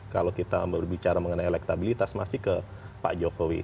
kalau kita berbicara mengenai elektabilitas masih ke pak jokowi